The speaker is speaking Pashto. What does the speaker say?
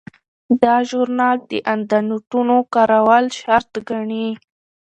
دا ژورنال د اندنوټونو کارول شرط ګڼي.